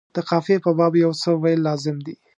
د قافیې په باب یو څه ویل لازم دي.